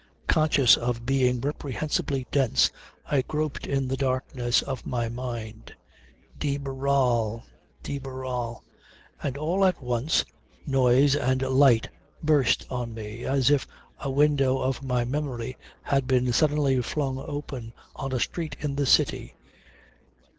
Conscious of being reprehensibly dense I groped in the darkness of my mind: De Barral, De Barral and all at once noise and light burst on me as if a window of my memory had been suddenly flung open on a street in the City.